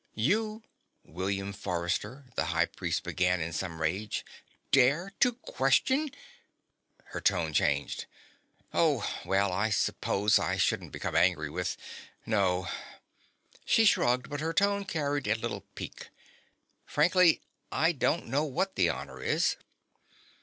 "You, William Forrester," the High Priestess began, in some rage, "dare to question " Her tone changed. "Oh, well, I suppose I shouldn't become angry with ... No." She shrugged, but her tone carried a little pique. "Frankly, I don't know what the honor is."